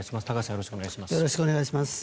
よろしくお願いします。